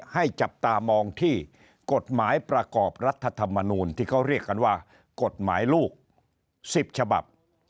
ให้จับตามองที่กฎหมายประกอบรัฐธรรมนูลที่เขาเรียกกันว่ากฎหมายลูก๑๐ฉบับ